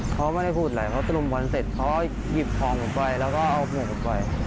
เขาไม่ได้พูดอะไรเขาลุมตระดุมบอลเสร็จเขาหยิบทองผมไปแล้วก็เอาหมวบผมไป